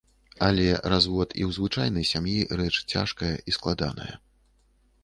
Але развод і ў звычайнай сям'і рэч цяжкая і складаная.